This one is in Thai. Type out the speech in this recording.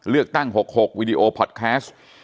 เลือกตั้ง๖๖วิดีโอพอร์ตแคสต์